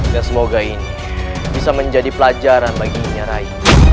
dan semoga ini bisa menjadi pelajaran baginya rai